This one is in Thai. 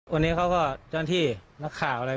วันนี้เขาก็เจ้าหน้าที่นักข่าวอะไร